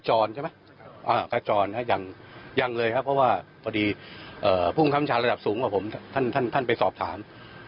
อันนี้ผมยังไม่ได้เจอกับผู้กองคจรยังเลยครับเพราะพวกพุ่งคำชาระดับสูงกว่าผมท่านไปสอบถาม